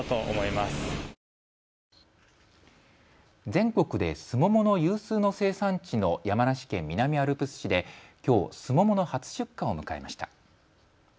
全国でスモモの有数の生産地の山梨県南アルプス市できょうスモモの初出荷を迎えました。